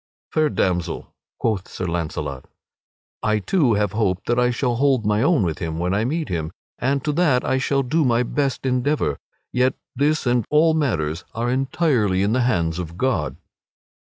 "Fair damsel," quoth Sir Launcelot, "I too have hope that I shall hold mine own with him, when I meet him, and to that I shall do my best endeavor. Yet this and all other matters are entirely in the hands of God."